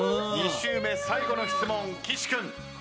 ２周目最後の質問岸君。